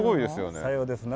さようですな。